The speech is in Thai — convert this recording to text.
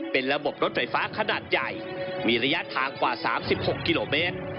เป็นระบบรถไฟฟ้าขนาดใหญ่มีระยะทางกว่า๓๖กิโลเมตร